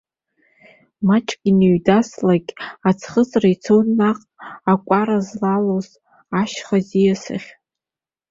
Маҷк ианыҩеидаслак, аӡхыҵра иаццон наҟ, акәара злалоз ашьха ӡиас ахь.